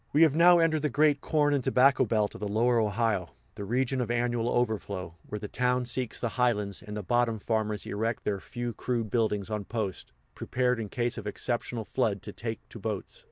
We have now entered the great corn and tobacco belt of the Lower Ohio, the region of annual overflow, where the towns seek the highlands, and the bottom farmers erect their few crude buildings on posts, prepared in case of exceptional flood to take to boats.